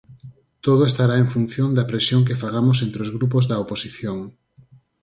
Todo estará en función da presión que fagamos entre os grupos da oposición.